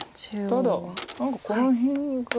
ただ何かこの辺が。